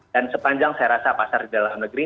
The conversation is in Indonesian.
dan sepanjang saya rasa pasar di dalam negeri